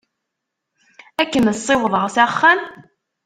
Ad kem-ssiwḍeɣ s axxam?